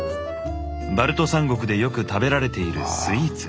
バルト三国でよく食べられているスイーツ。